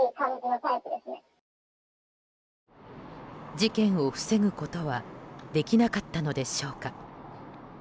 事件を防ぐことはできなかったのでしょうか。